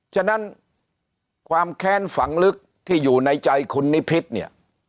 ฉะนั้นความแค้นฝังลึกที่อยู่ในใจคุณนิพิษเนี่ย